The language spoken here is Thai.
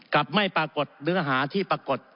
ไม่ปรากฏเนื้อหาที่ปรากฏ